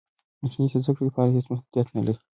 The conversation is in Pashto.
انټرنیټ د زده کړې لپاره هېڅ محدودیت نه لري.